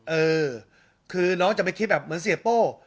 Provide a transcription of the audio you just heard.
เออคือน้องจะไปคิดแบบเหมือนเสียโป้